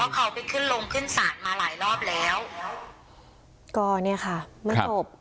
เขาไปขึ้นลงขึ้นศาลมาหลายรอบแล้วก็เนี่ยค่ะมันจบ